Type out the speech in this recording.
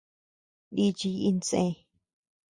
Nichiy insë.